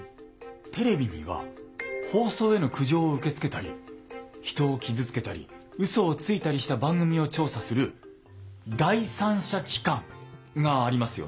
テレビには放送への苦情を受け付けたり人を傷つけたりうそをついたりした番組を調査する第三者機関がありますよね？